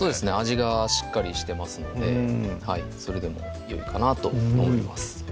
味がしっかりしてますのでそれでもよいかなと思います